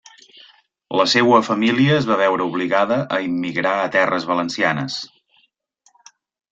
La seua família es va veure obligada a immigrar a terres valencianes.